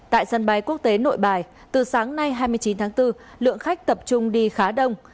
tại sân bay quốc tế nội bài từ sáng nay hai mươi chín tháng bốn lượng khách tập trung đi khá đông